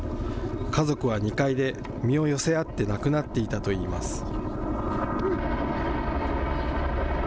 家族は２階で身を寄せ合って亡くなっていたといいます。